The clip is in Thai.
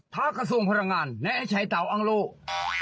พระกระทรงพลังงานแนะให้ใช้เตาอังหลู่